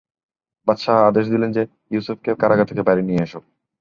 বাদশাহ আদেশ দিলেন যে, ইউসুফকে কারাগার থেকে বাইরে নিয়ে এসো।